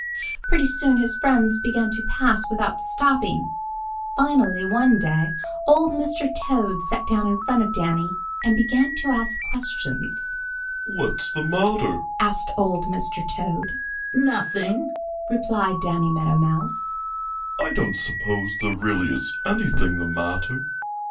Pretty soon his friends began to pass without stopping. Finally one day old Mr. Toad sat down in front of Danny and began to ask questions. "What's the matter?" asked old Mr. Toad. "Nothing," replied Danny Meadow Mouse.